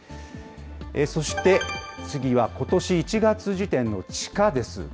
そして、次はことし１月時点の地価です。